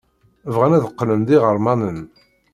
Bɣan ad qqlen d iɣermanen.